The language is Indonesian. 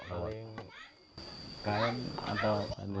paling kain atau madu